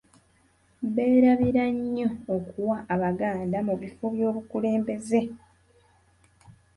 Beerabira nnyo okuwa Abaganda mu bifo byobukulembeze.